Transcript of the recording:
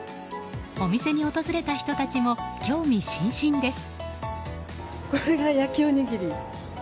お店に訪れた人たちも興味津々です。